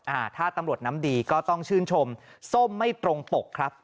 อ่าถ้าตำรวจน้ำดีก็ต้องชื่นชมส้มไม่ตรงปกครับ